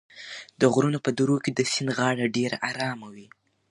د غرونو په درو کې د سیند غاړه ډېره ارامه وي.